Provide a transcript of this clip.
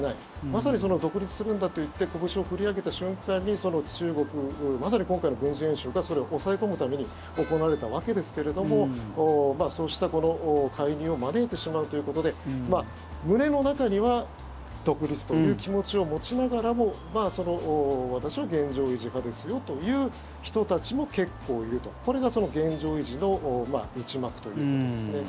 まさに独立するんだといってこぶしを振り上げた瞬間に中国、まさに今回の軍事演習がそれを抑え込むために行われたわけですけれどもそうした介入を招いてしまうということで胸の中には独立という気持ちを持ちながらも私は現状維持派ですよという人たちも結構いるとこれが現状維持の内幕ということですね。